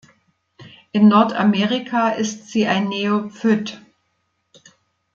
In Nordamerika ist sie ein Neophyt.